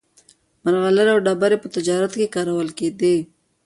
مرغلرې او ډبرې په تجارت کې کارول کېدې.